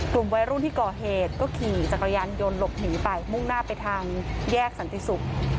กลุ่มวัยรุ่นที่ก่อเหตุก็ขี่จักรยานยนต์หลบหนีไปมุ่งหน้าไปทางแยกสันติศุกร์